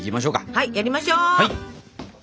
はいやりましょう！